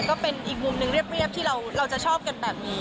ก็เป็นอีกมุมหนึ่งเรียบที่เราจะชอบกันแบบนี้